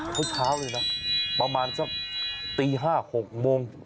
เช้าเลยนะประมาณสักตี๕๖โมง